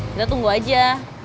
kita tunggu aja